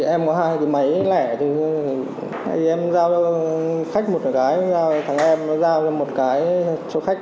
em có hai cái máy lẻ thì em giao cho khách một cái thằng em giao cho một cái cho khách